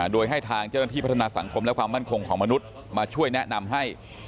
โดยให้ทางเจ้าหน้าที่พัฒนาสังคมและความมั่นคงของมนุษย์มาช่วยแนะนำให้